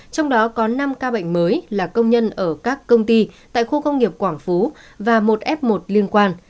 trong đó có năm ca bệnh mới là công nhân ở các công ty tại khu công nghiệp quảng phú và một f một liên quan